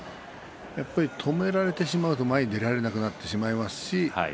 やはり止められてしまうと前に出られなくなってしまいますね。